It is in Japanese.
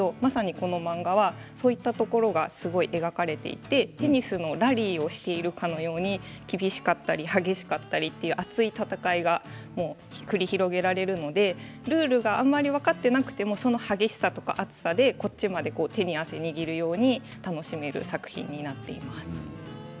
まさに、この漫画はそういったところがすごい描かれていてテニスのラリーをしているかのように厳しかったり激しかったりという熱い戦いが繰り広げられるのでルールがあまり分かっていなくてもその激しさとか熱さでこっちまで手に汗握るように楽しめる作品になっています。